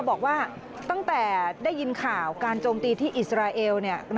บอกว่าตั้งแต่ได้ยินข่าวการโจมตีที่อิสราเอล